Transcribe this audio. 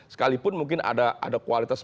sekalipun mungkin ada kualitas